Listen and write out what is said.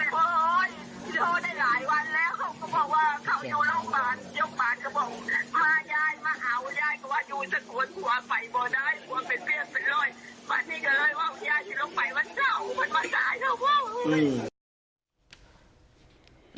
พายายมาเง้อยายก็ว่าอยู่แก้มสักคนกลัวเข้าไปก็ได้กลัวเป็นว